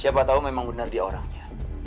siapa tahu memang benar dia orangnya